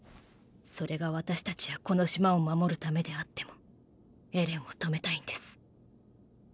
それが私たちやこの島を守るためであってもエレンを止めたいんです。